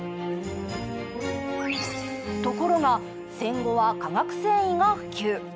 ところが戦後は化学繊維が普及。